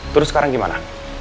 terus sekarang gimana